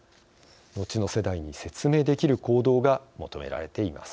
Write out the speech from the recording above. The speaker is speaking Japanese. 後の世代に説明できる行動が求められています。